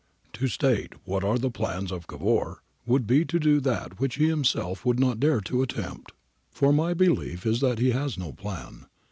]' To state what are the plans of Cavour would be to do that which he himself would not dare to attempt, for my belief is that he has no plan.